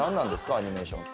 アニメーションって。